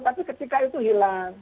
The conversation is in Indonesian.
tapi ketika itu hilang